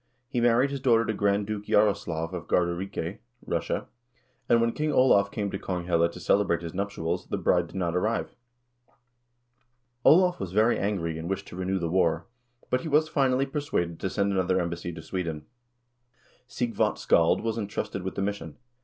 He married his daughter to Grand Duke Jaroslaf of Gardarike (Russia), and when King Olav came to Konghelle to celebrate his nuptials, the bride did not arrive. Olav was very angry and wished to renew the war, but he was, finally, persuaded to send another embassy to Sweden. Sighvat Scald was intrusted with the mission.